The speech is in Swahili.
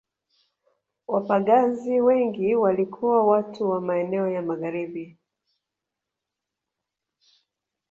Wapagazi wengi walikuwa watu wa maeneo ya Magharibi